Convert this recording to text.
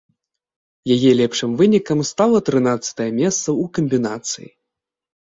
Яе лепшым вынікам стала трынаццатае месца ў камбінацыі.